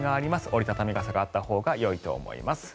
折り畳み傘があったほうがよいと思います。